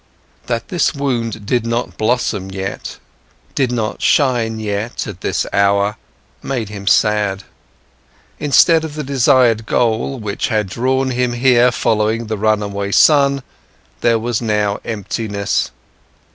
That this wound did not blossom yet, did not shine yet, at this hour, made him sad. Instead of the desired goal, which had drawn him here following the run away son, there was now emptiness.